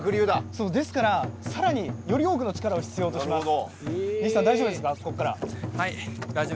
ですから、さらにより多くの力を必要とします。